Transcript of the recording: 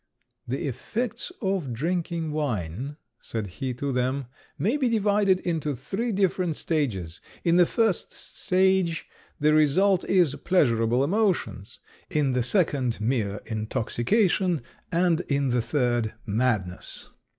"The effects of drinking wine," said he to them, "may be divided into three different stages. In the first stage the result is pleasurable emotions; in the second, mere intoxication; and in the third, madness."